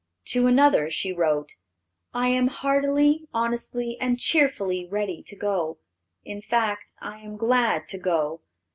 To another she wrote, "I am heartily, honestly, and cheerfully ready to go. In fact, I am glad to go.